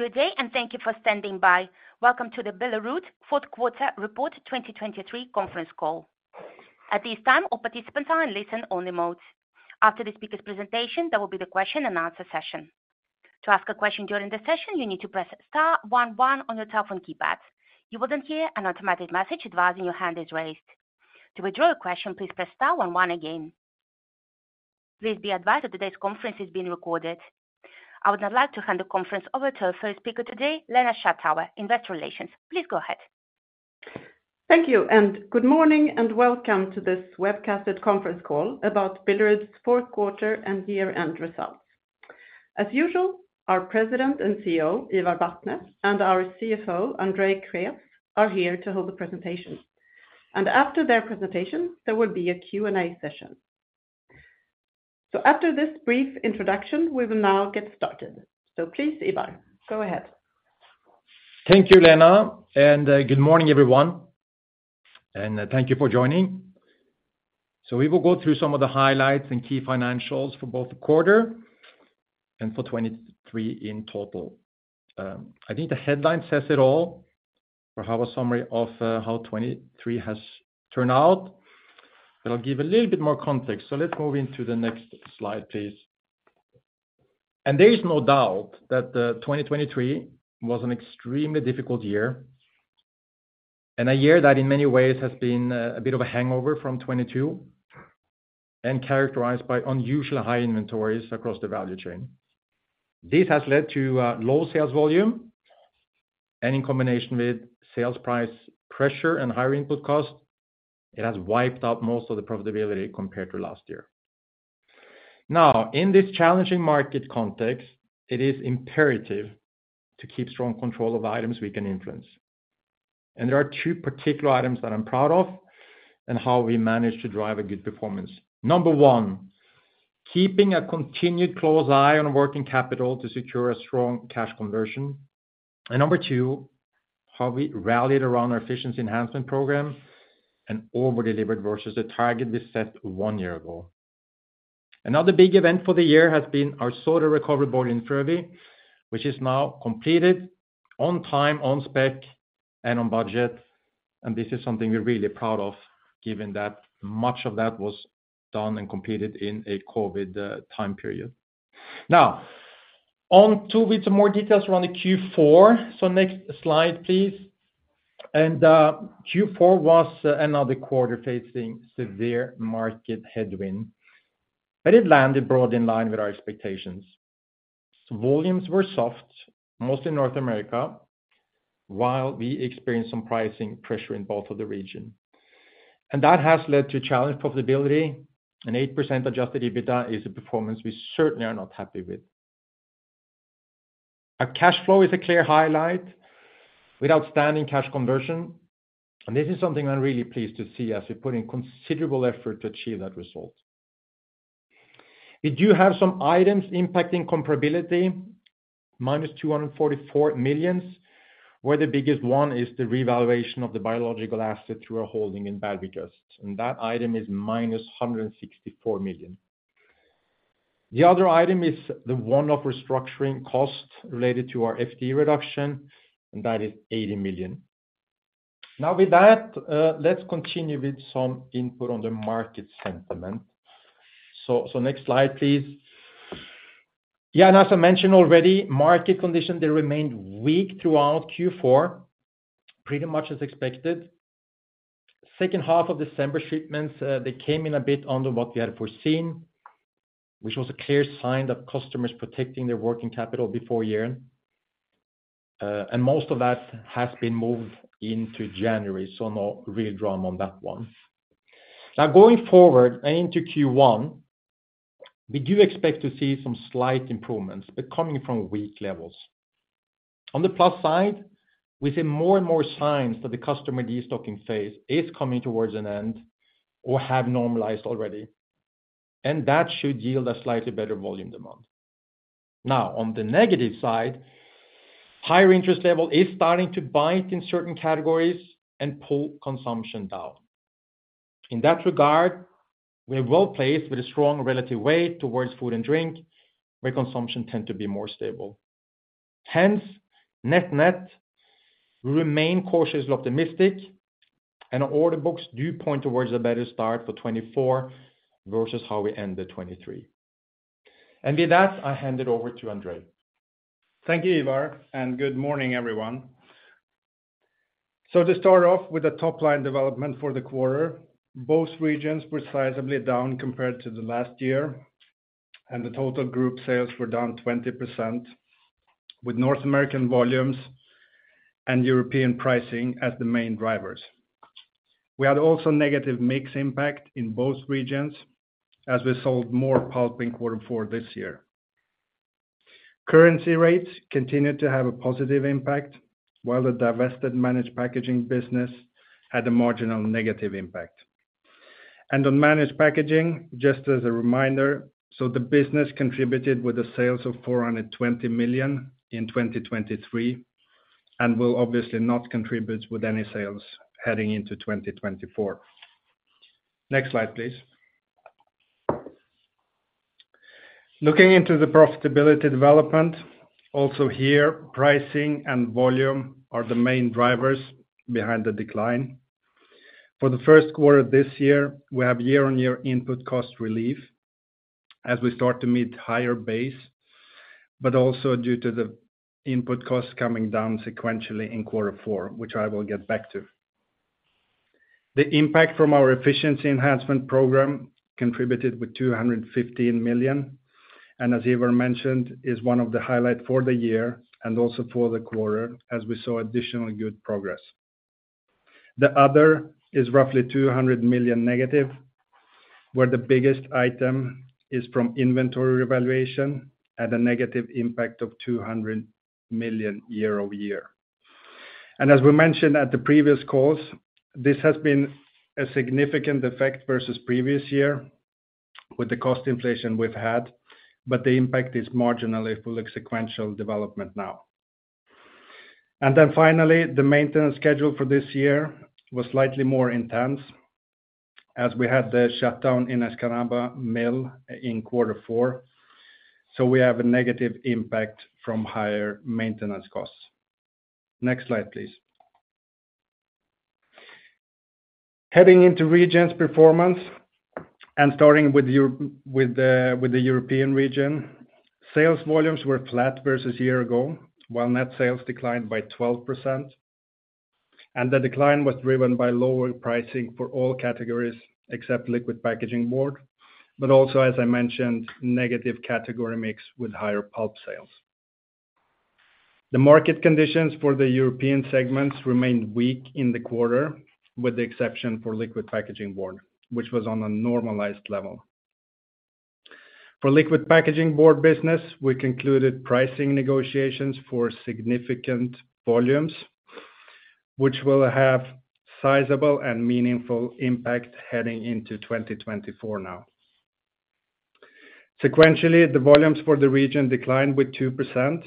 Good day, and thank you for standing by. Welcome to the Billerud fourth quarter report 2023 conference call. At this time, all participants are in listen-only mode. After the speaker's presentation, there will be the question and answer session. To ask a question during the session, you need to press star one one on your telephone keypad. You will then hear an automatic message advising your hand is raised. To withdraw your question, please press star one one again. Please be advised that today's conference is being recorded. I would now like to hand the conference over to our first speaker today, Lena Schattauer, Investor Relations. Please go ahead. Thank you, and good morning, and welcome to this webcasted conference call about Billerud's fourth quarter and year-end results. As usual, our President and CEO, Ivar Vatne, and our CFO, Andrei Krés, are here to hold the presentation. After their presentation, there will be a Q&A session. After this brief introduction, we will now get started. Please, Ivar, go ahead. Thank you, Lena, and good morning, everyone, and thank you for joining. We will go through some of the highlights and key financials for both the quarter and for 2023 in total. I think the headline says it all for a summary of how 2023 has turned out, but I'll give a little bit more context. Let's move into the next slide, please. There is no doubt that 2023 was an extremely difficult year, and a year that in many ways has been a bit of a hangover from 2022, and characterized by unusually high inventories across the value chain. This has led to low sales volume, and in combination with sales price pressure and higher input costs, it has wiped out most of the profitability compared to last year. Now, in this challenging market context, it is imperative to keep strong control of items we can influence. There are two particular items that I'm proud of and how we managed to drive a good performance. Number one, keeping a continued close eye on working capital to secure a strong cash conversion. Number two, how we rallied around our efficiency enhancement program and over-delivered versus the target we set one year ago. Another big event for the year has been our soda recovery boiler in Frövi, which is now completed on time, on spec, and on budget. This is something we're really proud of, given that much of that was done and completed in a COVID time period. Now, on to with some more details around the Q4. So next slide, please. Q4 was another quarter facing severe market headwind, but it landed broad in line with our expectations. Volumes were soft, mostly in North America, while we experienced some pricing pressure in both of the region. That has led to challenged profitability, and 8% adjusted EBITDA is a performance we certainly are not happy with. Our cash flow is a clear highlight with outstanding cash conversion, and this is something I'm really pleased to see as we put in considerable effort to achieve that result. We do have some items impacting comparability, -244 million, where the biggest one is the revaluation of the biological asset through a holding in Bergvik, and that item is -164 million. The other item is the one-off restructuring cost related to our FTE reduction, and that is 80 million. Now, with that, let's continue with some input on the market sentiment. So, so next slide, please. Yeah, and as I mentioned already, market condition, they remained weak throughout Q4, pretty much as expected. Second half of December shipments, they came in a bit under what we had foreseen, which was a clear sign that customers protecting their working capital before year-end. And most of that has been moved into January, so no real drama on that one. Now, going forward and into Q1, we do expect to see some slight improvements, but coming from weak levels. On the plus side, we see more and more signs that the customer destocking phase is coming towards an end or have normalized already, and that should yield a slightly better volume demand. Now, on the negative side, higher interest level is starting to bite in certain categories and pull consumption down. In that regard, we are well placed with a strong relative weight towards food and drink, where consumption tend to be more stable. Hence, net-net, we remain cautiously optimistic, and order books do point towards a better start for 2024 versus how we ended 2023. And with that, I hand it over to Andrei. Thank you, Ivar, and good morning, everyone. So to start off with the top line development for the quarter, both regions were sizably down compared to the last year, and the total group sales were down 20%, with North American volumes and European pricing as the main drivers. We had also negative mix impact in both regions, as we sold more pulp in quarter four this year. Currency rates continued to have a positive impact, while the divested Managed Packaging business had a marginal negative impact. On Managed Packaging, just as a reminder, so the business contributed with the sales of 420 million in 2023, and will obviously not contribute with any sales heading into 2024. Next slide, please. Looking into the profitability development, also here, pricing and volume are the main drivers behind the decline. For the first quarter this year, we have year-on-year input cost relief as we start to meet higher base, but also due to the input costs coming down sequentially in quarter four, which I will get back to. The impact from our efficiency enhancement program contributed with 215 million, and as Ivar mentioned, is one of the highlight for the year and also for the quarter, as we saw additional good progress. The other is roughly 200 million negative, where the biggest item is from inventory revaluation at a negative impact of 200 million year-over-year. As we mentioned at the previous calls, this has been a significant effect versus previous year with the cost inflation we've had, but the impact is marginally full sequential development now. Then finally, the maintenance schedule for this year was slightly more intense as we had the shutdown in Escanaba mill in quarter four, so we have a negative impact from higher maintenance costs. Next slide, please. Heading into region's performance and starting with the European region, sales volumes were flat versus a year ago, while net sales declined by 12%, and the decline was driven by lower pricing for all categories except liquid packaging board, but also, as I mentioned, negative category mix with higher pulp sales. The market conditions for the European segments remained weak in the quarter, with the exception for liquid packaging board, which was on a normalized level. For liquid packaging board business, we concluded pricing negotiations for significant volumes, which will have sizable and meaningful impact heading into 2024 now. Sequentially, the volumes for the region declined with 2%,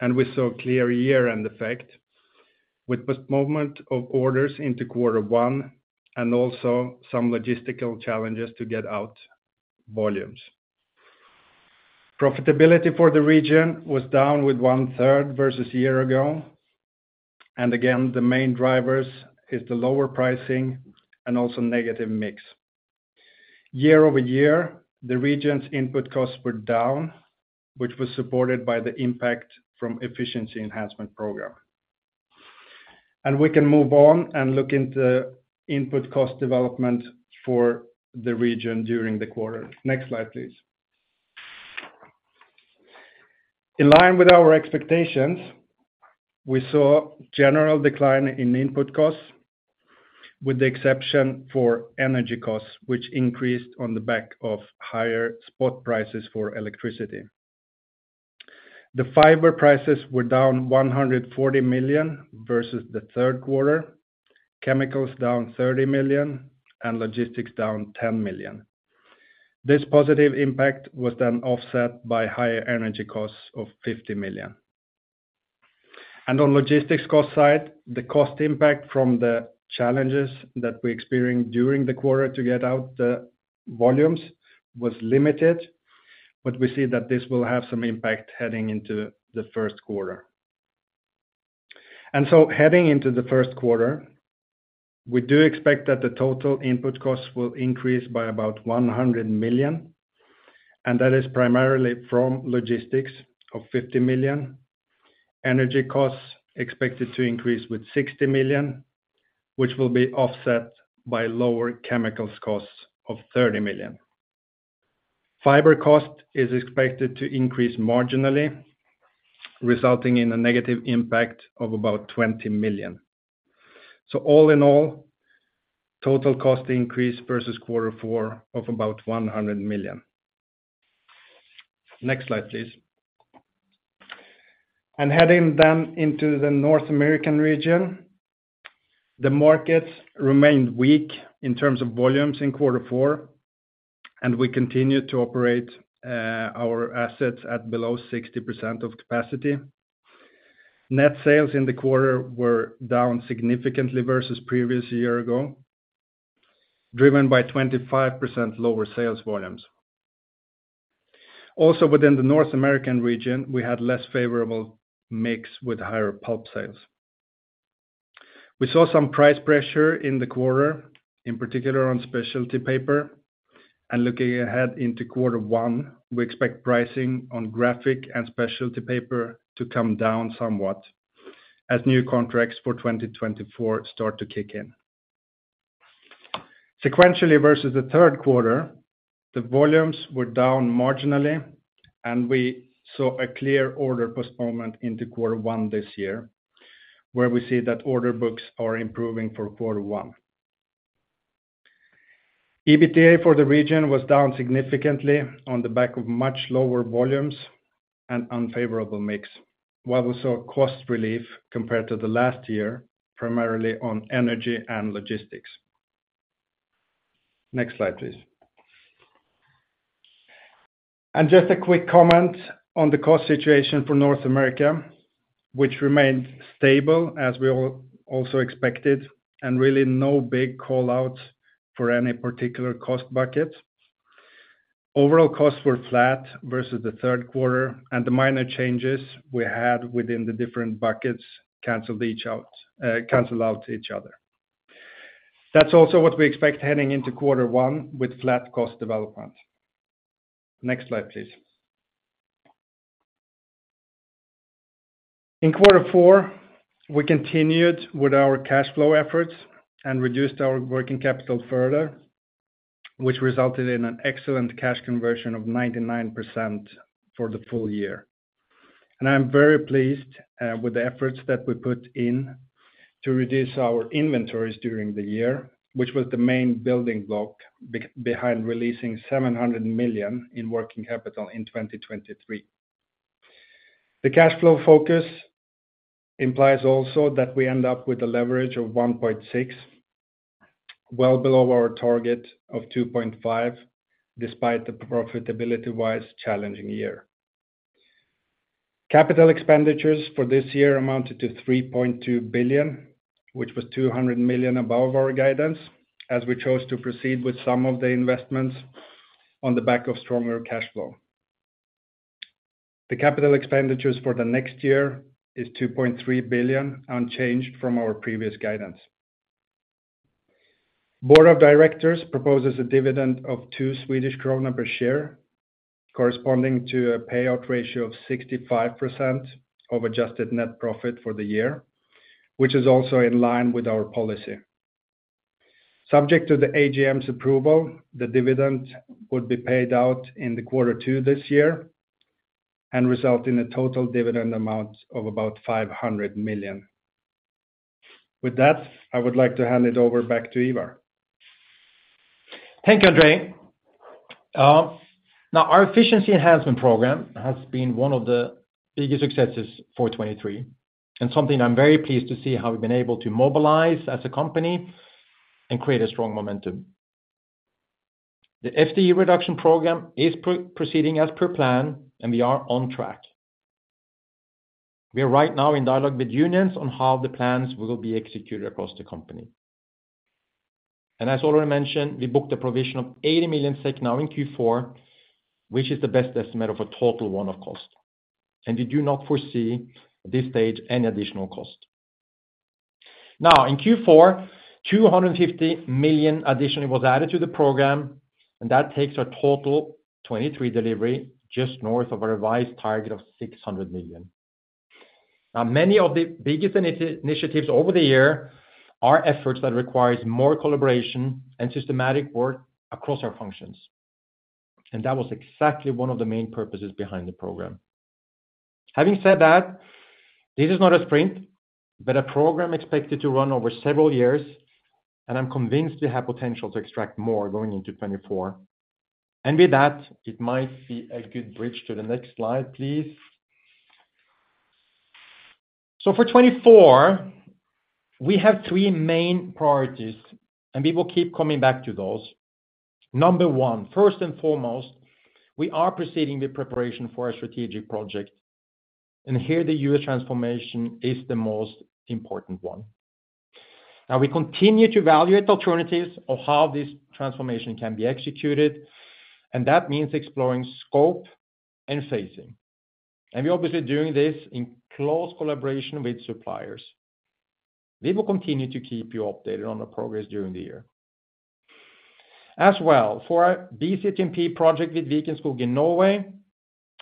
and we saw clear year-end effect, with postponement of orders into quarter one, and also some logistical challenges to get out volumes. Profitability for the region was down with one-third versus a year ago. Again, the main drivers is the lower pricing and also negative mix. Year-over-year, the region's input costs were down, which was supported by the impact from efficiency enhancement program. We can move on and look into input cost development for the region during the quarter. Next slide, please. In line with our expectations, we saw general decline in input costs, with the exception for energy costs, which increased on the back of higher spot prices for electricity. The fiber prices were down 140 million versus the third quarter, chemicals down 30 million, and logistics down 10 million. This positive impact was then offset by higher energy costs of 50 million. And on logistics cost side, the cost impact from the challenges that we experienced during the quarter to get out the volumes was limited, but we see that this will have some impact heading into the first quarter. And so heading into the first quarter, we do expect that the total input costs will increase by about 100 million, and that is primarily from logistics of 50 million. Energy costs expected to increase with 60 million, which will be offset by lower chemicals costs of 30 million. Fiber cost is expected to increase marginally, resulting in a negative impact of about 20 million. So all in all, total cost increase versus quarter four of about 100 million. Next slide, please. Heading then into the North American region, the markets remained weak in terms of volumes in quarter four, and we continued to operate our assets at below 60% of capacity. Net sales in the quarter were down significantly versus previous year ago, driven by 25% lower sales volumes. Also, within the North American region, we had less favorable mix with higher pulp sales. We saw some price pressure in the quarter, in particular on specialty paper, and looking ahead into quarter one, we expect pricing on graphic and specialty paper to come down somewhat as new contracts for 2024 start to kick in. Sequentially versus the third quarter, the volumes were down marginally, and we saw a clear order postponement into quarter one this year, where we see that order books are improving for quarter one. EBITDA for the region was down significantly on the back of much lower volumes and unfavorable mix, while we saw cost relief compared to the last year, primarily on energy and logistics. Next slide, please. Just a quick comment on the cost situation for North America, which remained stable as we all also expected, and really no big call-outs for any particular cost bucket. Overall costs were flat versus the third quarter, and the minor changes we had within the different buckets canceled each out, cancel out to each other. That's also what we expect heading into quarter one with flat cost development. Next slide, please. In quarter four, we continued with our cash flow efforts and reduced our working capital further, which resulted in an excellent cash conversion of 99% for the full year. I'm very pleased with the efforts that we put in to reduce our inventories during the year, which was the main building block behind releasing 700 million in working capital in 2023. The cash flow focus implies also that we end up with a leverage of 1.6, well below our target of 2.5, despite the profitability-wise challenging year. Capital expenditures for this year amounted to 3.2 billion, which was 200 million above our guidance, as we chose to proceed with some of the investments on the back of stronger cash flow. The capital expenditures for the next year is 2.3 billion, unchanged from our previous guidance. Board of Directors proposes a dividend of 2 Swedish krona per share, corresponding to a payout ratio of 65% of adjusted net profit for the year, which is also in line with our policy. Subject to the AGM's approval, the dividend would be paid out in quarter two this year, and result in a total dividend amount of about 500 million. With that, I would like to hand it over back to Ivar. Thank you, Andrei. Now, our efficiency enhancement program has been one of the biggest successes for 2023, and something I'm very pleased to see how we've been able to mobilize as a company and create a strong momentum. The FTE reduction program is proceeding as per plan, and we are on track. We are right now in dialogue with unions on how the plans will be executed across the company. As already mentioned, we booked a provision of 80 million SEK now in Q4, which is the best estimate of a total one-off cost, and we do not foresee, at this stage, any additional cost. Now, in Q4, 250 million additionally was added to the program, and that takes our total 2023 delivery just north of our revised target of 600 million. Now, many of the biggest initiatives over the year are efforts that requires more collaboration and systematic work across our functions, and that was exactly one of the main purposes behind the program. Having said that, this is not a sprint, but a program expected to run over several years, and I'm convinced we have potential to extract more going into 2024. And with that, it might be a good bridge to the next slide, please. So for 2024, we have three main priorities, and we will keep coming back to those. Number one, first and foremost, we are proceeding the preparation for a strategic project, and here the U.S. transformation is the most important one. Now, we continue to evaluate alternatives of how this transformation can be executed, and that means exploring scope and phasing. And we're obviously doing this in close collaboration with suppliers. We will continue to keep you updated on the progress during the year. As well, for our BCTMP project with Viken Skog in Norway,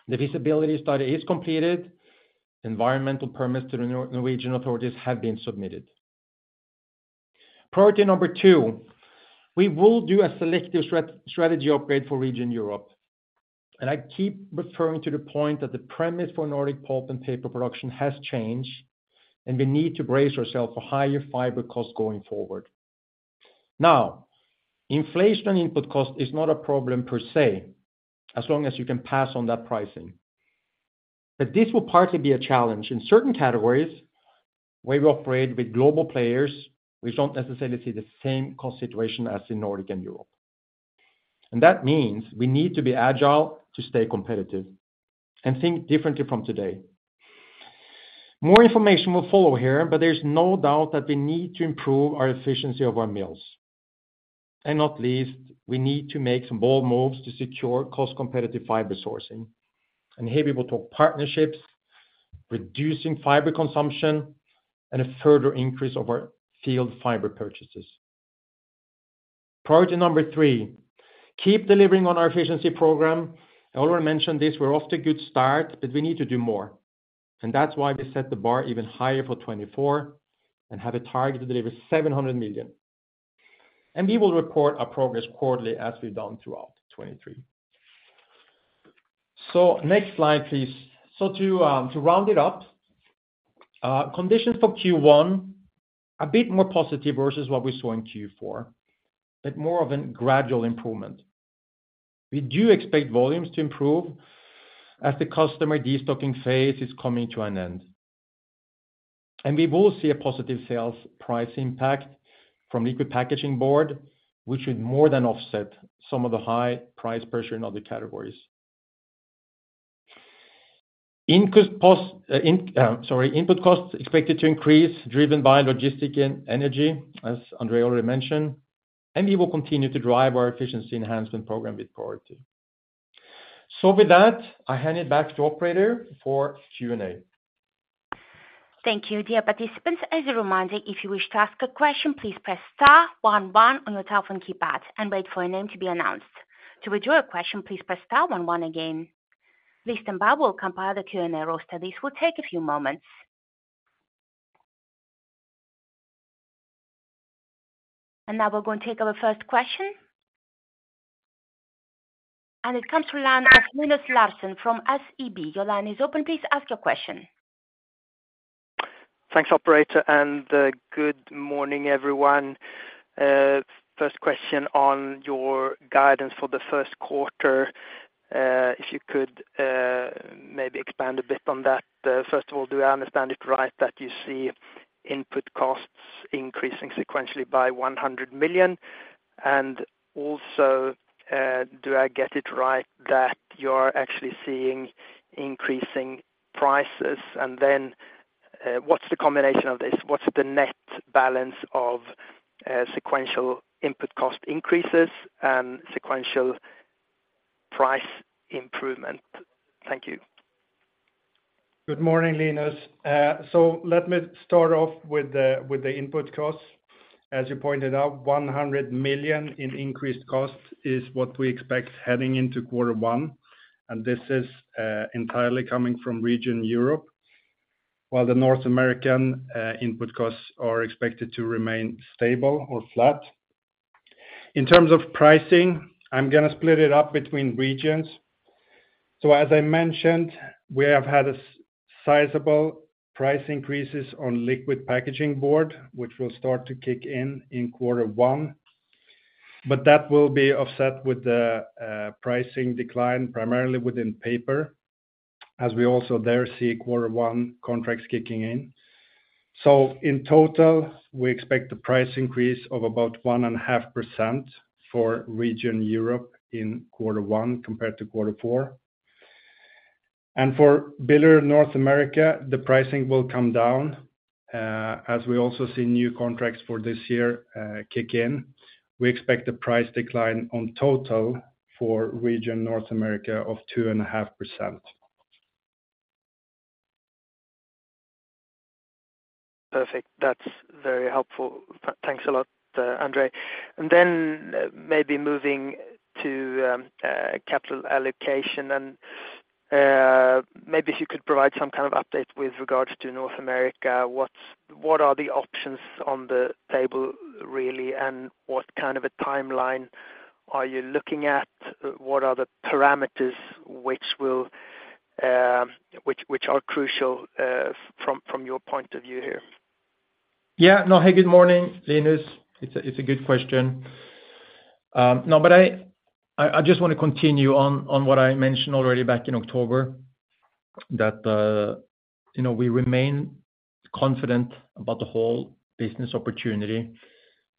the visibility study is completed, environmental permits to the Norwegian authorities have been submitted. Priority number two, we will do a selective strategy upgrade for Region Europe, and I keep referring to the point that the premise for Nordic pulp and paper production has changed, and we need to brace ourselves for higher fiber costs going forward. Now, inflation input cost is not a problem per se, as long as you can pass on that pricing. But this will partly be a challenge in certain categories where we operate with global players, we don't necessarily see the same cost situation as in Nordic and Europe. And that means we need to be agile to stay competitive and think differently from today. More information will follow here, but there's no doubt that we need to improve our efficiency of our mills. Not least, we need to make some bold moves to secure cost-competitive fiber sourcing. Here we will talk partnerships, reducing fiber consumption, and a further increase of our field fiber purchases. Priority number three, keep delivering on our efficiency program. I already mentioned this, we're off to a good start, but we need to do more, and that's why we set the bar even higher for 2024 and have a target to deliver 700 million. We will report our progress quarterly as we've done throughout 2023. So next slide, please. So to round it up, conditions for Q1, a bit more positive versus what we saw in Q4, but more of a gradual improvement. We do expect volumes to improve as the customer destocking phase is coming to an end. And we will see a positive sales price impact from liquid packaging board, which should more than offset some of the high price pressure in other categories. Input costs expected to increase, driven by logistics and energy, as Andrei already mentioned, and we will continue to drive our efficiency enhancement program with priority. So with that, I hand it back to operator for Q&A. Thank you. Dear participants, as a reminder, if you wish to ask a question, please press star one one on your telephone keypad and wait for your name to be announced. To withdraw your question, please press star one one again. Please stand by, will compile the Q&A roster. This will take a few moments. Now we're going to take our first question. It comes from the line of Linus Larsson from SEB. Your line is open. Please ask your question. Thanks, operator, and good morning, everyone. First question on your guidance for the first quarter, if you could maybe expand a bit on that. First of all, do I understand it right that you see input costs increasing sequentially by 100 million? And also, do I get it right that you're actually seeing increasing prices? And then, what's the combination of this? What's the net balance of sequential input cost increases and sequential price improvement? Thank you. Good morning, Linus. So let me start off with the input costs. As you pointed out, 100 million in increased costs is what we expect heading into quarter one, and this is entirely coming from Region Europe, while the North American input costs are expected to remain stable or flat. In terms of pricing, I'm gonna split it up between regions. So as I mentioned, we have had a sizable price increases on liquid packaging board, which will start to kick in in quarter one. But that will be offset with the pricing decline, primarily within paper, as we also there see quarter one contracts kicking in. So in total, we expect a price increase of about 1.5% for Region Europe in quarter one compared to quarter four. For Billerud North America, the pricing will come down, as we also see new contracts for this year, kick in. We expect a price decline on total for Region North America of 2.5%. Perfect. That's very helpful. Thanks a lot, Andrei. And then maybe moving to capital allocation and maybe if you could provide some kind of update with regards to North America, what are the options on the table, really? And what kind of a timeline are you looking at? What are the parameters which will, which are crucial, from your point of view here? Yeah. No, hey, good morning, Linus. It's a good question. No, but I just want to continue on what I mentioned already back in October, that you know, we remain confident about the whole business opportunity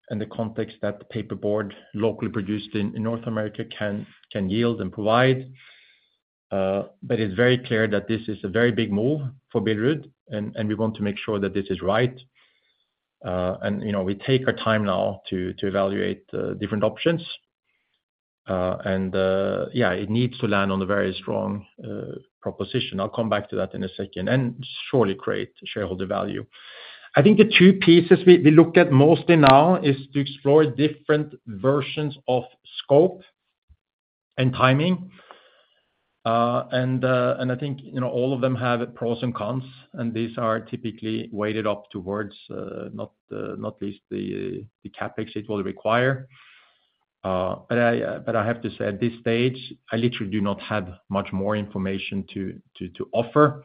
and the context that the paperboard locally produced in North America can yield and provide. But it's very clear that this is a very big move for Billerud, and we want to make sure that this is right. And you know, we take our time now to evaluate different options. And yeah, it needs to land on a very strong proposition. I'll come back to that in a second, and surely create shareholder value. I think the two pieces we look at mostly now is to explore different versions of scope and timing. I think, you know, all of them have pros and cons, and these are typically weighted up towards, not least the CapEx it will require. But I have to say, at this stage, I literally do not have much more information to offer.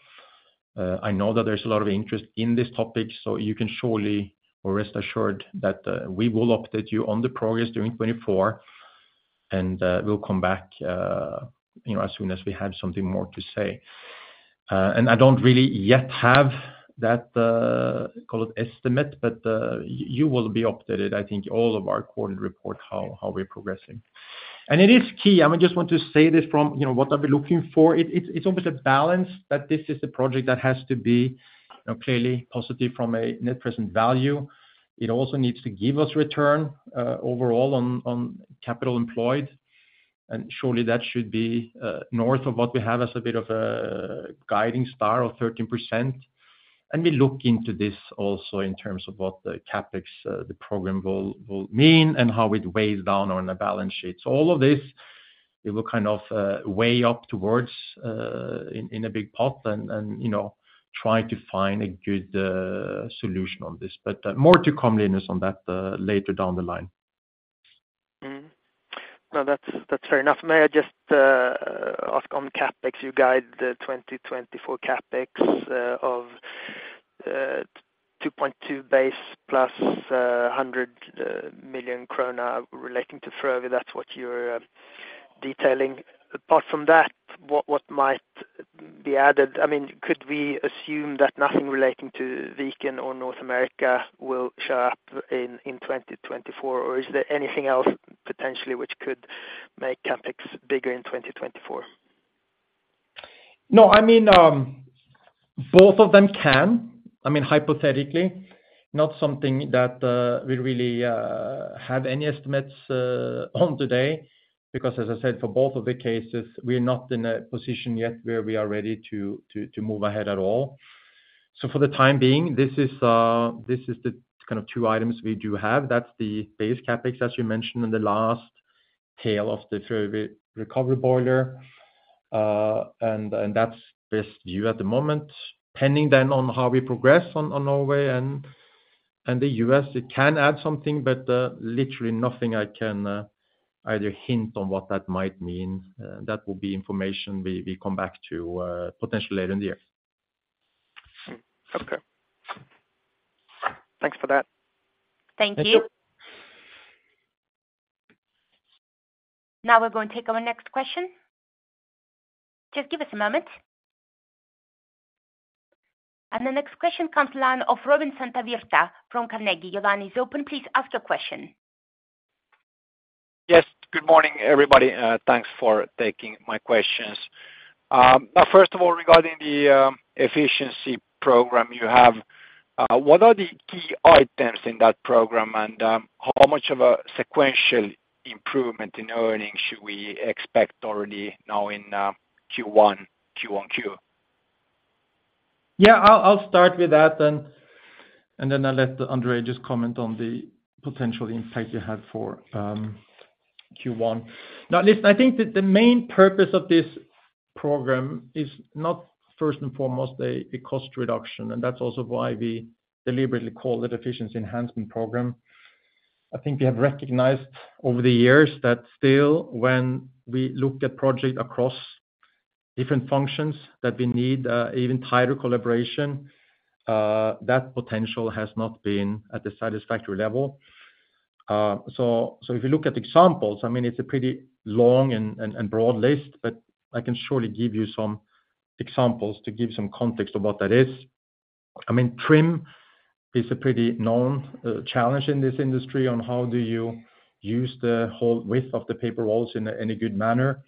I know that there's a lot of interest in this topic, so you can surely or rest assured that we will update you on the progress during 2024, and we'll come back, you know, as soon as we have something more to say. And I don't really yet have that, call it estimate, but you will be updated. I think all of our quarter report, how we're progressing. And it is key, and I just want to say this from, you know, what are we looking for? It's, it's almost a balance that this is a project that has to be, you know, clearly positive from a net present value. It also needs to give us return overall on capital employed, and surely that should be north of what we have as a bit of a guiding star of 13%. And we look into this also in terms of what the CapEx, the program will mean and how it weighs down on the balance sheet. So all of this, it will kind of weigh up towards in a big pot and, you know, try to find a good solution on this. But more to come, Linus, on that later down the line. Mm-hmm. No, that's, that's fair enough. May I just ask on CapEx? You guide the 2024 CapEx of 2.2 base plus 100 million krona relating to further, that's what you're detailing. Apart from that, what might be added? I mean, could we assume that nothing relating to Viken or North America will show up in 2024, or is there anything else potentially which could make CapEx bigger in 2024? No, I mean, both of them can. I mean, hypothetically, not something that we really have any estimates on today, because as I said, for both of the cases, we are not in a position yet where we are ready to move ahead at all. So for the time being, this is the kind of two items we do have. That's the base CapEx, as you mentioned in the last tail of the recovery boiler, and that's best view at the moment. Pending then on how we progress on Norway and the U.S., it can add something, but literally nothing I can either hint on what that might mean, that will be information we come back to potentially later in the year. Okay. Thanks for that. Thank you. Thank you. Now we're going to take our next question. Just give us a moment. The next question comes line of Robin Santavirta from Carnegie. Your line is open, please ask your question. Yes, good morning, everybody, thanks for taking my questions. Now, first of all, regarding the efficiency program you have, what are the key items in that program? And, how much of a sequential improvement in earnings should we expect already now in Q1, Q on Q? Yeah, I'll start with that then, and then I'll let Andrei just comment on the potential impact you have for Q1. Now, listen, I think the main purpose of this program is not first and foremost a cost reduction, and that's also why we deliberately call it efficiency enhancement program. I think we have recognized over the years that still when we look at project across different functions, that we need even tighter collaboration, that potential has not been at the satisfactory level. So if you look at examples, I mean, it's a pretty long and broad list, but I can surely give you some examples to give some context of what that is. I mean, trim is a pretty known challenge in this industry on how do you use the whole width of the paper rolls in any good manner.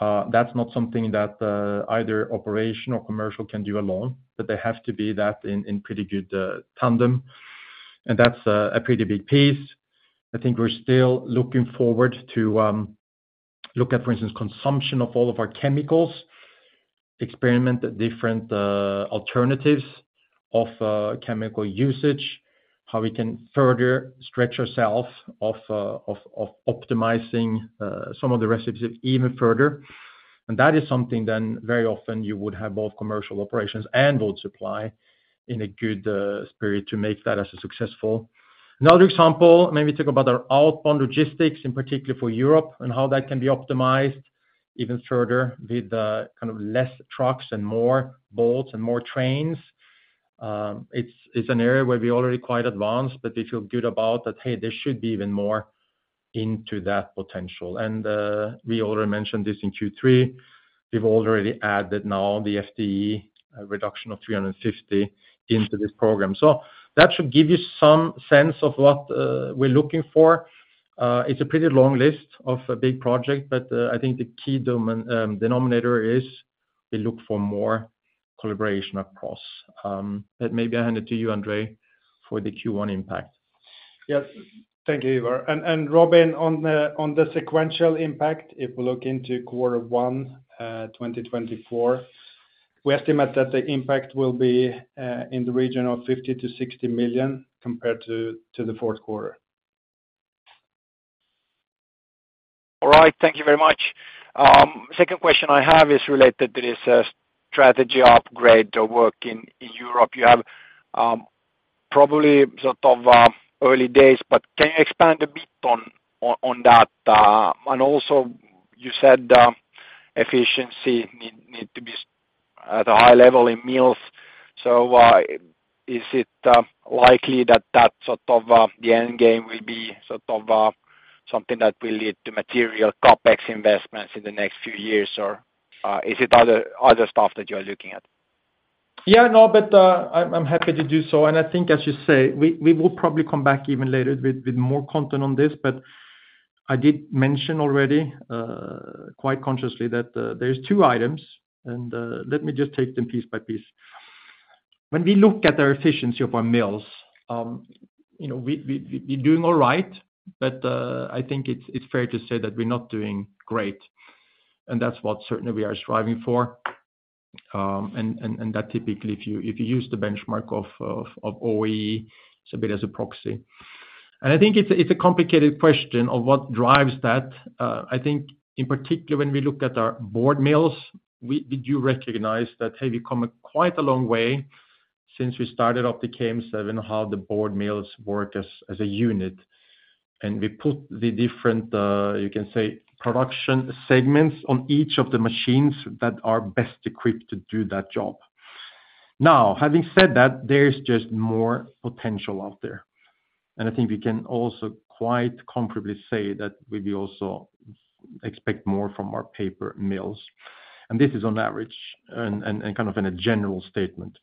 That's not something that either operation or commercial can do alone, but they have to be that in pretty good tandem, and that's a pretty big piece. I think we're still looking forward to look at, for instance, consumption of all of our chemicals, experiment different alternatives of chemical usage, how we can further stretch ourselves of optimizing some of the recipes even further. That is something then very often you would have both commercial operations and board supply in a good spirit to make that as a successful. Another example, maybe think about our outbound logistics, in particular for Europe, and how that can be optimized even further with kind of less trucks and more boats and more trains. It's an area where we already quite advanced, but we feel good about that, hey, there should be even more into that potential. And we already mentioned this in Q3. We've already added now the FTE reduction of 350 into this program. So that should give you some sense of what we're looking for. It's a pretty long list of a big project, but I think the key denominator is we look for more collaboration across, but maybe I'll hand it to you, Andrei, for the Q1 impact. Yes, thank you, Ivar. And Robin, on the sequential impact, if we look into quarter one, 2024, we estimate that the impact will be in the region of 50 million-60 million, compared to the fourth quarter. All right. Thank you very much. Second question I have is related to this, strategy upgrade, the work in Europe. You have probably sort of early days, but can you expand a bit on that? And also you said, efficiency need to be at a high level in mills. So, is it likely that that sort of the end game will be sort of something that will lead to material CapEx investments in the next few years? Or, is it other stuff that you're looking at? Yeah, no, but, I'm happy to do so. And I think, as you say, we will probably come back even later with more content on this. But I did mention already, quite consciously, that there's two items, and let me just take them piece by piece. When we look at the efficiency of our mills, you know, we doing all right, but I think it's fair to say that we're not doing great, and that's what certainly we are striving for. And that typically, if you use the benchmark of OEE, it's a bit as a proxy. And I think it's a complicated question of what drives that. I think in particular, when we look at our board mills, we do recognize that, hey, we've come quite a long way since we started up the KM7, how the board mills work as a unit. And we put the different, you can say, production segments on each of the machines that are best equipped to do that job.... Now, having said that, there's just more potential out there, and I think we can also quite comfortably say that we will also expect more from our paper mills, and this is on average, and kind of in a general statement.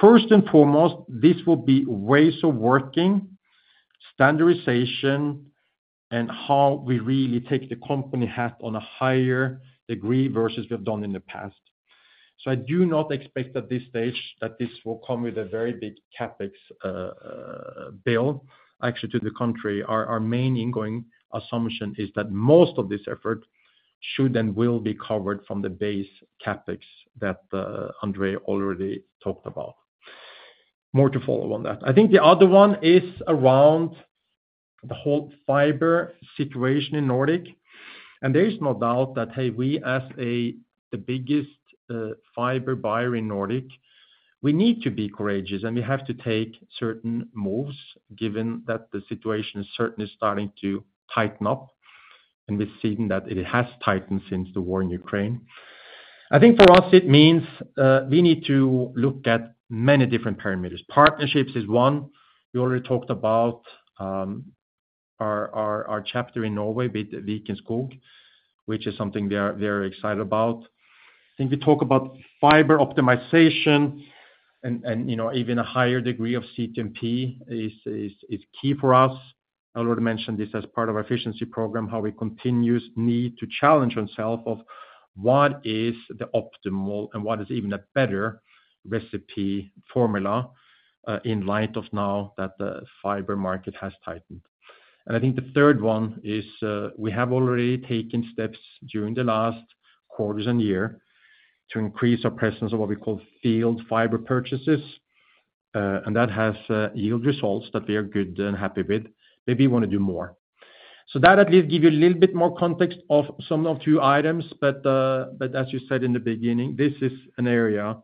First and foremost, this will be ways of working, standardization, and how we really take the company hat on a higher degree versus we've done in the past. So I do not expect at this stage that this will come with a very big CapEx bill. Actually, to the contrary, our, our main ingoing assumption is that most of this effort should then will be covered from the base CapEx that, Andrei already talked about. More to follow on that. I think the other one is around the whole fiber situation in Nordic, and there is no doubt that, hey, we as a, the biggest, fiber buyer in Nordic, we need to be courageous, and we have to take certain moves given that the situation is certainly starting to tighten up, and we've seen that it has tightened since the war in Ukraine. I think for us it means, we need to look at many different parameters. Partnerships is one. We already talked about our chapter in Norway with Viken Skog, which is something we are very excited about. I think we talk about fiber optimization and, you know, even a higher degree of CTMP is key for us. I already mentioned this as part of our efficiency program, how we continuously need to challenge ourselves of what is the optimal and what is even a better recipe formula, in light of now that the fiber market has tightened. And I think the third one is, we have already taken steps during the last quarters and year to increase our presence of what we call field fiber purchases, and that has yield results that we are good and happy with. Maybe we wanna do more. So that at least give you a little bit more context of some of the two items, but, but as you said in the beginning, this is an area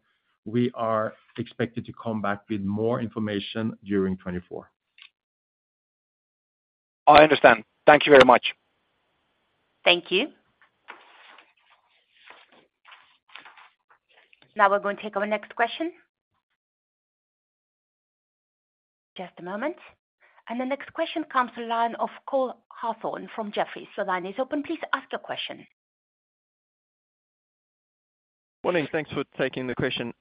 we are expected to come back with more information during 2024. I understand. Thank you very much. Thank you. Now we're going to take our next question. Just a moment, and the next question comes to the line of Cole Hathorn from Jefferies. The line is open. Please ask your question. Morning, thanks for taking the question.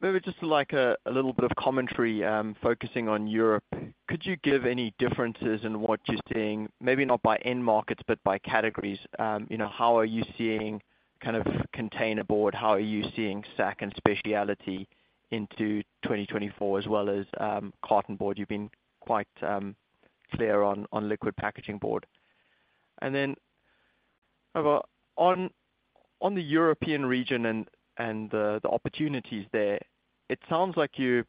Maybe just like a little bit of commentary, focusing on Europe, could you give any differences in what you're seeing, maybe not by end markets, but by categories? You know, how are you seeing kind of containerboard? How are you seeing sack and specialty into 2024 as well as carton board? You've been quite clear on liquid packaging board. And then on the European region and the opportunities there, it sounds like you're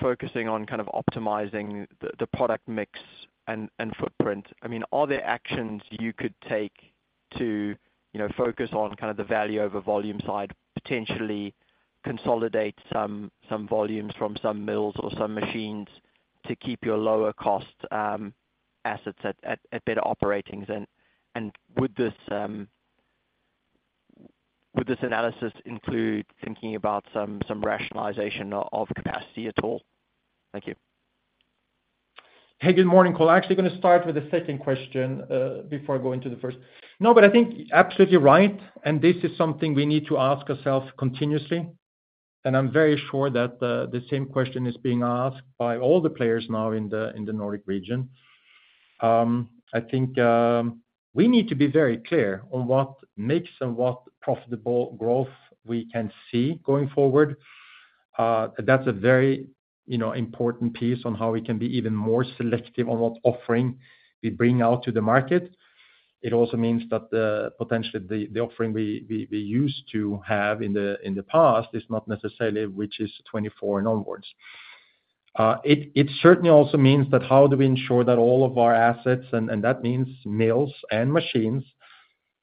focusing on kind of optimizing the product mix and footprint. I mean, are there actions you could take to, you know, focus on kind of the value over volume side, potentially consolidate some volumes from some mills or some machines to keep your lower cost assets at better operatings? Would this analysis include thinking about some rationalization of capacity at all? Thank you. Hey, good morning, Cole. I'm actually gonna start with the second question before I go into the first. No, but I think absolutely right, and this is something we need to ask ourselves continuously, and I'm very sure that the same question is being asked by all the players now in the Nordic region. I think we need to be very clear on what makes and what profitable growth we can see going forward. That's a very, you know, important piece on how we can be even more selective on what offering we bring out to the market. It also means that potentially the offering we used to have in the past is not necessarily, which is 2024 and onwards. It certainly also means that how do we ensure that all of our assets, and that means mills and machines,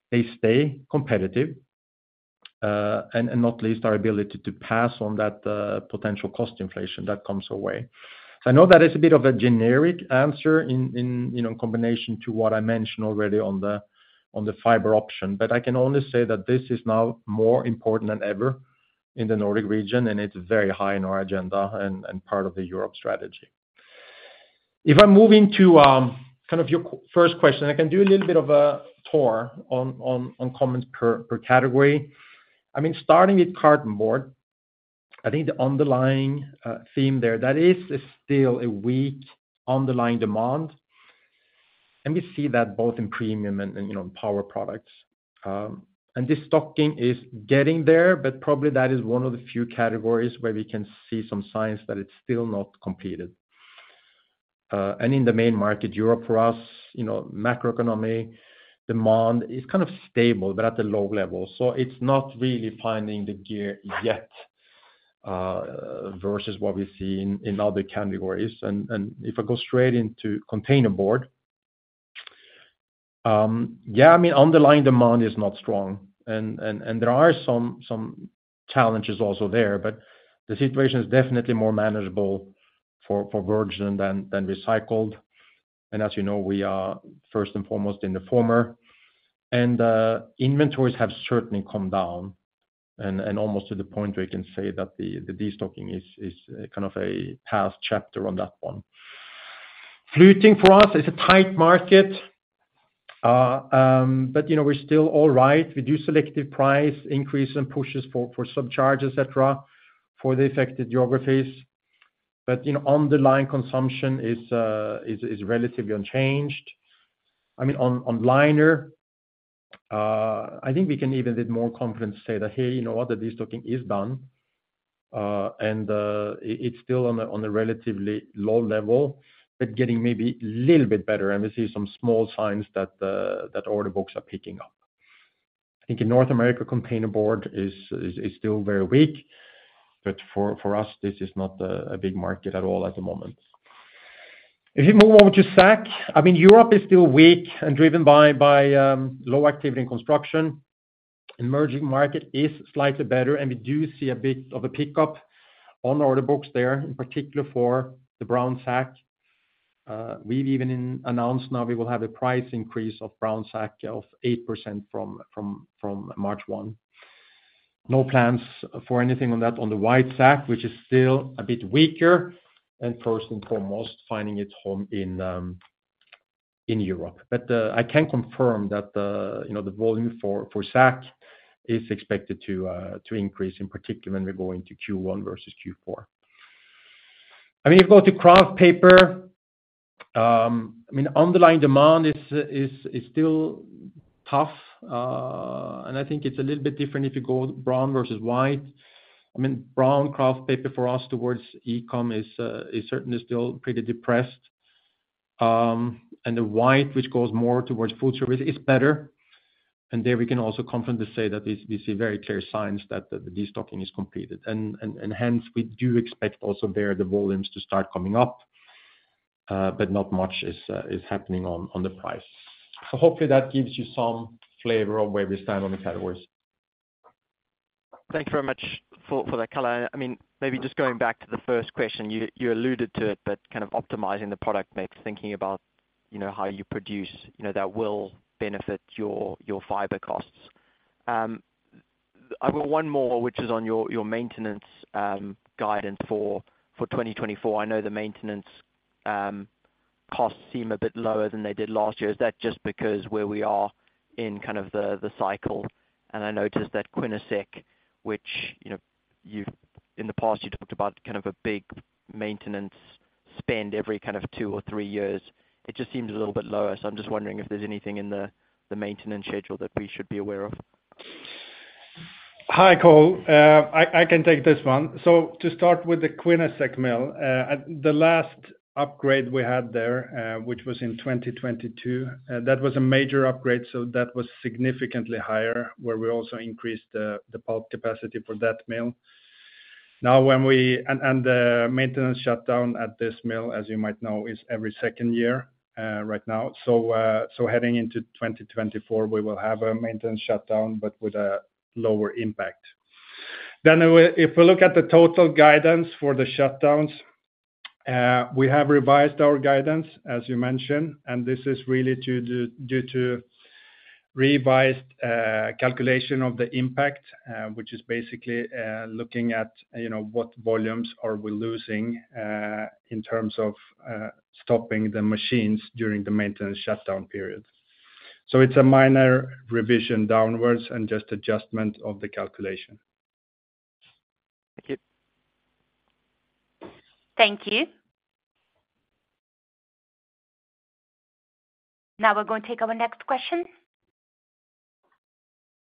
they stay competitive, and not least our ability to pass on that potential cost inflation that comes our way. I know that is a bit of a generic answer in you know combination to what I mentioned already on the fiber option, but I can only say that this is now more important than ever in the Nordic region, and it's very high on our agenda and part of the Europe strategy. If I move into kind of your first question, I can do a little bit of a tour on comments per category. I mean, starting with carton board, I think the underlying theme there, that is still a weak underlying demand, and we see that both in premium and, and, you know, power products. And this stocking is getting there, but probably that is one of the few categories where we can see some signs that it's still not completed. And in the main market, Europe, for us, you know, macroeconomic demand is kind of stable but at a low level, so it's not really finding the gear yet, versus what we see in other categories. And if I go straight into containerboard, yeah, I mean, underlying demand is not strong, and there are some challenges also there, but the situation is definitely more manageable for virgin than recycled. And as you know, we are first and foremost in the former. And, inventories have certainly come down, and almost to the point where you can say that the destocking is kind of a past chapter on that one. Fluting for us is a tight market. But, you know, we're still all right. We do selective price increase and pushes for surcharge, et cetera, for the affected geographies. But, you know, underlying consumption is relatively unchanged. I mean, on liner, I think we can even with more confidence say that, hey, you know what? The destocking is done. And, it's still on a relatively low level, but getting maybe little bit better, and we see some small signs that order books are picking up. I think in North America, containerboard is still very weak, but for us, this is not a big market at all at the moment. If you move on to sack, I mean, Europe is still weak and driven by low activity in construction. Emerging market is slightly better, and we do see a bit of a pickup on order books there, in particular for the brown sack. We've even announced now we will have a price increase of brown sack of 8% from March 1. No plans for anything on that, on the white sack, which is still a bit weaker, and first and foremost, finding its home in Europe. But, I can confirm that the, you know, the volume for sack is expected to increase, in particular when we're going to Q1 versus Q4. I mean, if you go to kraft paper, I mean, underlying demand is still tough. And I think it's a little bit different if you go brown versus white. I mean, brown kraft paper for us towards e-com is certainly still pretty depressed. And the white, which goes more towards food service, is better, and there we can also confidently say that we see very clear signs that the destocking is completed. And hence, we do expect also there, the volumes to start coming up, but not much is happening on the price. So hopefully that gives you some flavor of where we stand on the categories. Thank you very much for that color. I mean, maybe just going back to the first question, you alluded to it, but kind of optimizing the product mix, thinking about, you know, how you produce, you know, that will benefit your fiber costs. I've got one more, which is on your maintenance guidance for 2024. I know the maintenance costs seem a bit lower than they did last year. Is that just because where we are in kind of the cycle? And I noticed that Quinnesec, which, you know, you've—in the past, you talked about kind of a big maintenance spend every kind of two or three years. It just seems a little bit lower, so I'm just wondering if there's anything in the maintenance schedule that we should be aware of. Hi, Cole. I can take this one. So to start with the Quinnesec mill, at the last upgrade we had there, which was in 2022, that was a major upgrade, so that was significantly higher, where we also increased the pulp capacity for that mill. Now, the maintenance shutdown at this mill, as you might know, is every second year, right now. So, so heading into 2024, we will have a maintenance shutdown, but with a lower impact. Then if we look at the total guidance for the shutdowns, we have revised our guidance, as you mentioned, and this is really due to revised calculation of the impact, which is basically looking at, you know, what volumes are we losing in terms of stopping the machines during the maintenance shutdown period. So it's a minor revision downwards and just adjustment of the calculation. Thank you. Thank you. Now we're going to take our next question.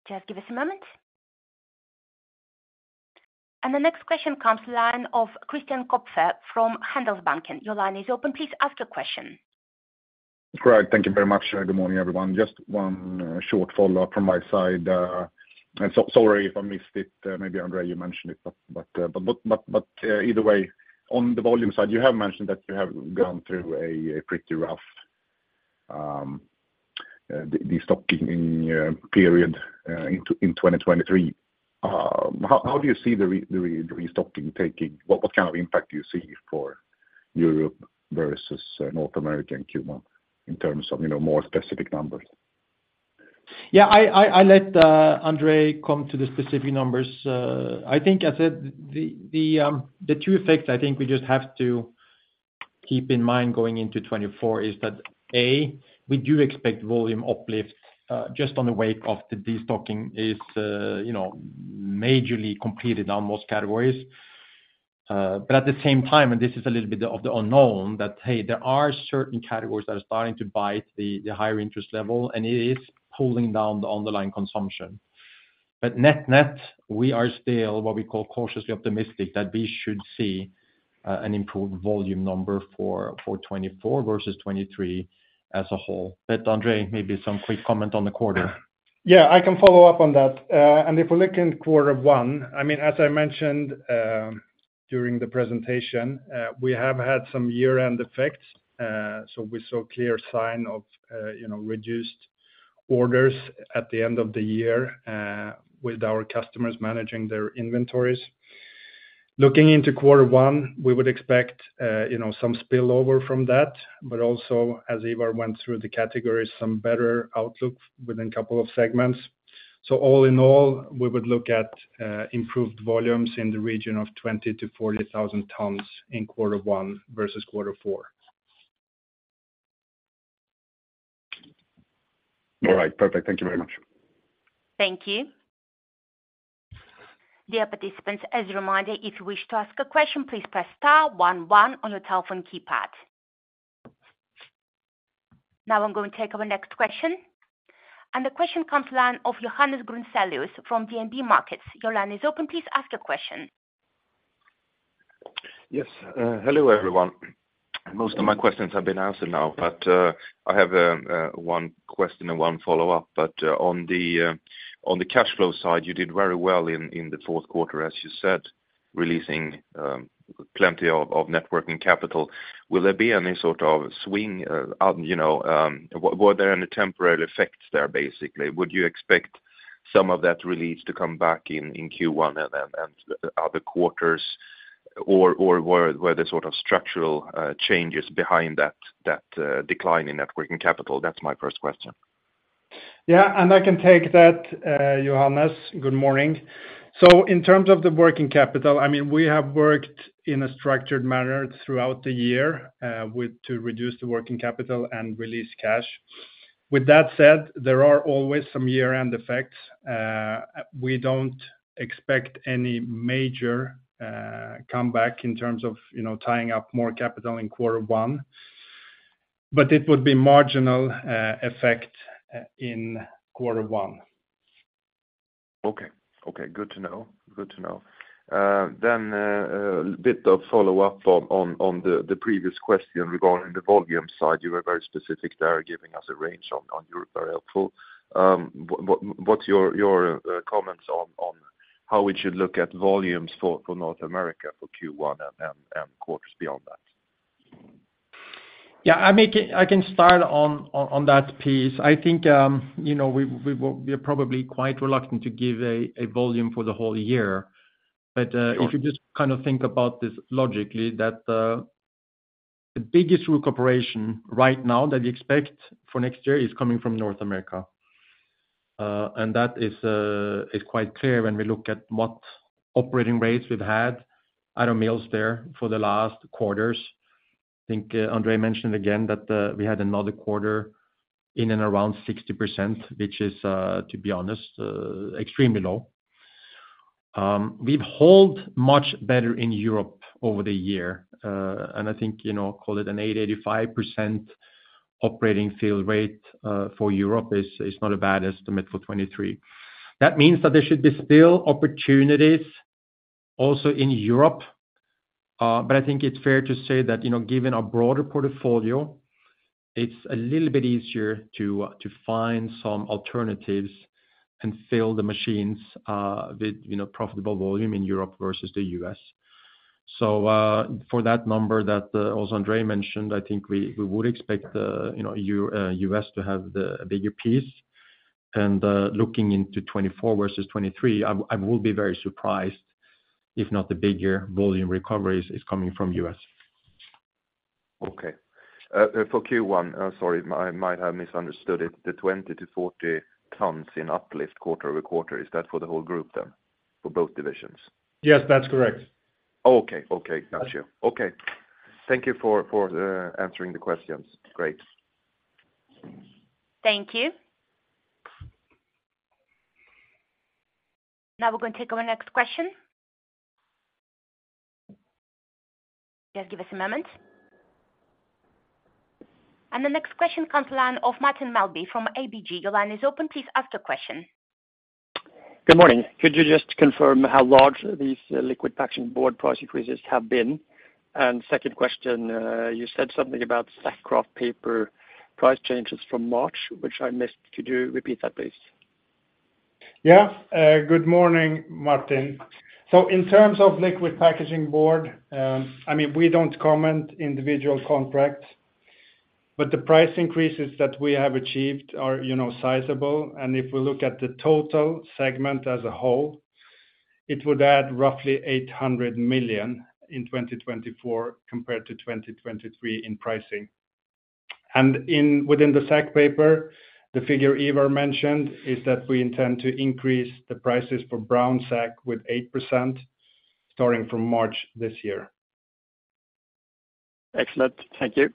Just give us a moment. And the next question comes from the line of Christian Kopfer from Handelsbanken. Your line is open. Please ask your question. Great. Thank you very much, and good morning, everyone. Just one short follow-up from my side. Sorry if I missed it, maybe Andrei, you mentioned it, but either way, on the volume side, you have mentioned that you have gone through a pretty rough destocking in period in 2023. How do you see the restocking taking? What kind of impact do you see for Europe versus North America and Q1 in terms of, you know, more specific numbers? Yeah, I let Andrei come to the specific numbers. I think I said the two effects I think we just have to keep in mind going into 2024 is that, A, we do expect volume uplift, just on the wake of the destocking is, you know, majorly completed on most categories. But at the same time, and this is a little bit of the unknown, that hey, there are certain categories that are starting to bite the higher interest level, and it is pulling down the underlying consumption. But net-net, we are still what we call cautiously optimistic that we should see an improved volume number for 2024 versus 2023 as a whole. But Andrei, maybe some quick comment on the quarter. Yeah, I can follow up on that. And if we look in quarter one, I mean, as I mentioned during the presentation, we have had some year-end effects. So we saw clear sign of, you know, reduced orders at the end of the year with our customers managing their inventories. ... Looking into quarter one, we would expect, you know, some spillover from that, but also, as Ivar went through the categories, some better outlook within a couple of segments. So all in all, we would look at improved volumes in the region of 20,000-40,000 tons in quarter one versus quarter four. All right, perfect. Thank you very much. Thank you. Dear participants, as a reminder, if you wish to ask a question, please press star one, one on your telephone keypad. Now I'm going to take our next question, and the question comes line of Johannes Grunselius from DNB Markets. Your line is open. Please ask your question. Yes, hello, everyone. Most of my questions have been answered now, but I have one question and one follow-up. But on the cash flow side, you did very well in the fourth quarter, as you said, releasing plenty of net working capital. Will there be any sort of swing, you know, were there any temporary effects there, basically? Would you expect some of that release to come back in Q1 and then other quarters, or were there sort of structural changes behind that decline in net working capital? That's my first question. Yeah, and I can take that, Johannes, good morning. So in terms of the working capital, I mean, we have worked in a structured manner throughout the year, with to reduce the working capital and release cash. With that said, there are always some year-end effects. We don't expect any major, comeback in terms of, you know, tying up more capital in quarter one, but it would be marginal, effect, in quarter one. Okay. Okay, good to know. Good to know. Then, a bit of follow-up on the previous question regarding the volume side. You were very specific there, giving us a range on Europe, very helpful. What’s your comments on how we should look at volumes for North America, for Q1 and quarters beyond that? Yeah, I can start on that piece. I think, you know, we are probably quite reluctant to give a volume for the whole year. But Sure... if you just kind of think about this logically, that, the biggest recuperation right now that we expect for next year is coming from North America. And that is quite clear when we look at what operating rates we've had out of mills there for the last quarters. I think, Andrei mentioned again that, we had another quarter in and around 60%, which is, to be honest, extremely low. We've held much better in Europe over the year, and I think, you know, call it an 80%-85% operating fill rate, for Europe is not a bad estimate for 2023. That means that there should be still opportunities also in Europe, but I think it's fair to say that, you know, given our broader portfolio, it's a little bit easier to find some alternatives and fill the machines with, you know, profitable volume in Europe versus the U.S. So, for that number that also Andrei mentioned, I think we would expect, you know, U.S. to have a bigger piece. And, looking into 2024 versus 2023, I will be very surprised if not the bigger volume recoveries is coming from U.S. Okay. Sorry, I might have misunderstood it, the 20-40 tons in uplift quarter-over-quarter, is that for the whole group then, for both divisions? Yes, that's correct. Okay. Okay, got you. Okay, thank you for answering the questions. Great. Thank you. Now we're going to take our next question. Just give us a moment. And the next question comes from the line of Martin Melbye from ABG. Your line is open. Please ask your question. Good morning. Could you just confirm how large these liquid packaging board price increases have been? Second question, you said something about sack kraft paper price changes from March, which I missed. Could you repeat that, please? Yeah. Good morning, Martin. So in terms of liquid packaging board, I mean, we don't comment individual contracts, but the price increases that we have achieved are, you know, sizable. And if we look at the total segment as a whole, it would add roughly 800 million in 2024, compared to 2023 in pricing. And within the sack paper, the figure Ivar mentioned is that we intend to increase the prices for brown sack with 8%, starting from March this year. Excellent. Thank you.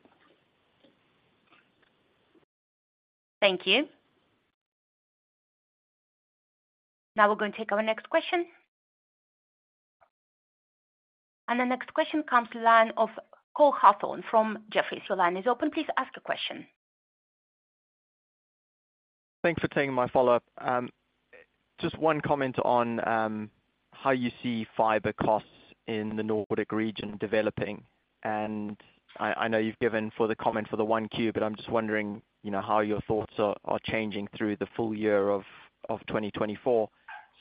Thank you. Now we're going to take our next question. And the next question comes to line of Cole Hathorn from Jefferies. Your line is open. Please ask a question. Thanks for taking my follow-up. Just one comment on how you see fiber costs in the Nordic region developing, and I know you've given the comment for Q1, but I'm just wondering, you know, how your thoughts are changing through the full year of 2024.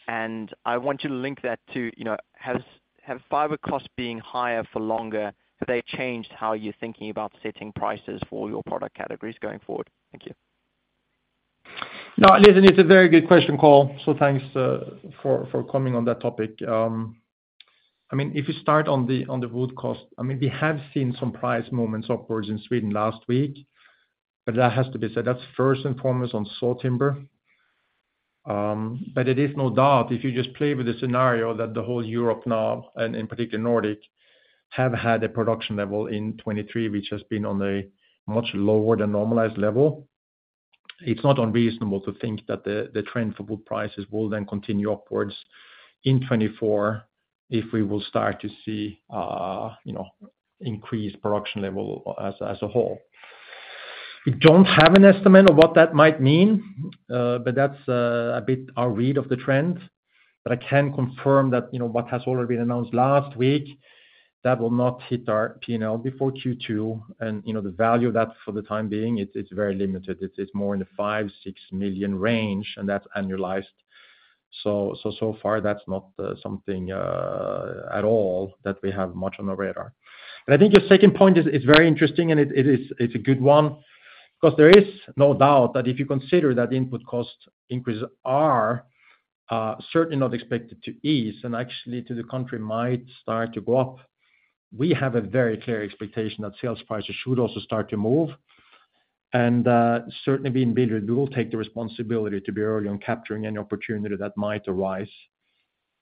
And I want you to link that to, you know, have fiber costs being higher for longer, have they changed how you're thinking about setting prices for your product categories going forward? Thank you. ... No, listen, it's a very good question, Cole, so thanks for coming on that topic. I mean, if you start on the wood cost, I mean, we have seen some price movements upwards in Sweden last week, but that has to be said, that's first and foremost on saw timber. But it is no doubt if you just play with the scenario that the whole Europe now, and in particular Nordic, have had a production level in 2023, which has been on a much lower than normalized level. It's not unreasonable to think that the trend for wood prices will then continue upwards in 2024, if we will start to see, you know, increased production level as a whole. We don't have an estimate of what that might mean, but that's a bit our read of the trend. But I can confirm that, you know, what has already been announced last week, that will not hit our P&L before Q2, and, you know, the value of that for the time being, it's very limited. It's more in the 5-6 million range, and that's annualized. So far, that's not something at all that we have much on the radar. And I think your second point is very interesting and it is a good one, because there is no doubt that if you consider that input cost increases are certainly not expected to ease and actually to the contrary, might start to go up. We have a very clear expectation that sales prices should also start to move. Certainly being bigger, we will take the responsibility to be early on capturing any opportunity that might arise.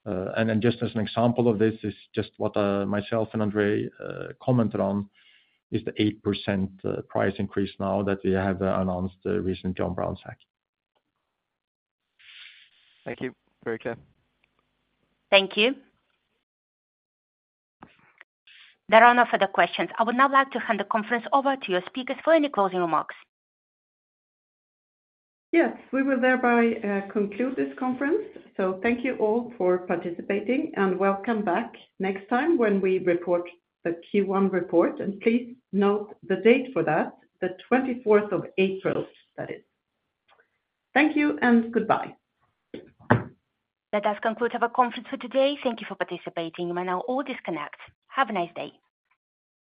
And then just as an example of this, is just what myself and Andrei commented on, is the 8% price increase now that we have announced recently on Brown Sack. Thank you. Very clear. Thank you. There are no further questions. I would now like to hand the conference over to your speakers for any closing remarks. Yes, we will thereby conclude this conference. So thank you all for participating, and welcome back next time when we report the Q1 report. And please note the date for that, the 24th of April, that is. Thank you, and goodbye. Let us conclude our conference for today. Thank you for participating. You may now all disconnect. Have a nice day.